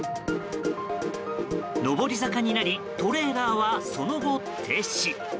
上り坂になりトレーラーはその後、停止。